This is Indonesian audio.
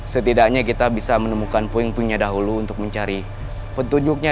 setidaknya kita bisa menemukan puing puingnya dahulu untuk mencari petunjuknya